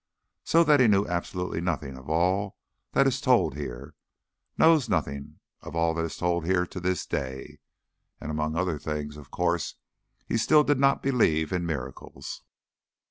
So that he knew absolutely nothing of all that is told here, knows nothing of all that is told here to this day. And among other things, of course, he still did not believe in miracles.